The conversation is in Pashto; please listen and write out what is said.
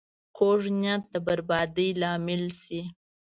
کوږ نیت د بربادۍ لامل شي